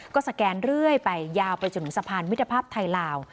ก็สแกนเรื่อยไปยาวไปจนถึงสะพานมิตรภาพไทยลาว